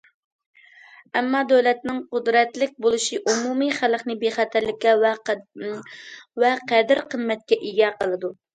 ئەمما دۆلەتنىڭ قۇدرەتلىك بولۇشى ئومۇمىي خەلقنى بىخەتەرلىككە ۋە قەدىر- قىممەتكە ئىگە قىلىدۇ.